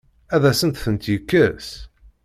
Ad asen-ten-yekkes?